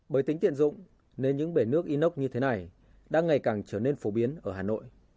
bởi tính tiện dụng nên những bể nước inox như thế này đang ngày càng trở nên phổ biến ở hà nội